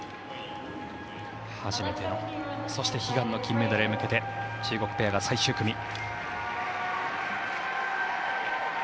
初めての、そして悲願の金メダルへ向けて中国ペアが最終組。